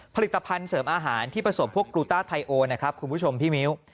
ผลิตภัณฑ์เสริมอาหารที่ผสมพวกกลูต้าไทโอนะครับคุณผู้ชมพี่มิ้ว